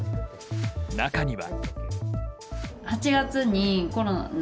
中には。